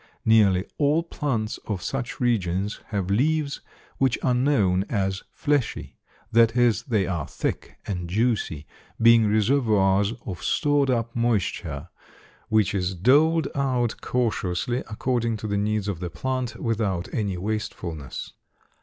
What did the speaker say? Nearly all plants of such regions have leaves which are known as fleshy, that is, they are thick and juicy, being reservoirs of stored up moisture which is doled out cautiously according to the needs of the plant, without any wastefulness.